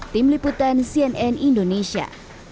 tim liputan cnn indonesia